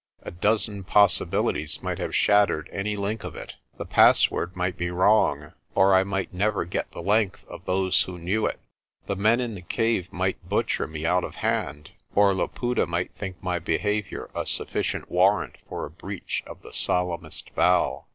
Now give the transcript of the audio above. A dozen possi bilities might have shattered any link of it. The password might be wrong, or I might never get the length of those who knew it. The men in the cave might butcher me out of hand, or Laputa might think my behaviour a sufficient warrant for the breach of the solemnest vow.